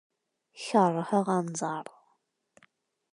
Keṛheɣ anẓar.